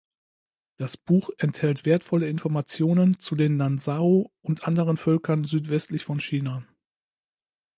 Das Buch enthält wertvolle Informationen zu den Nanzhao und anderen Völkern südwestlich von China.